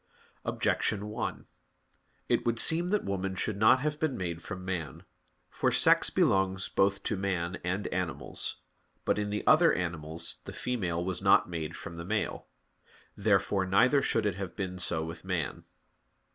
Objection 1: It would seem that woman should not have been made from man. For sex belongs both to man and animals. But in the other animals the female was not made from the male. Therefore neither should it have been so with man.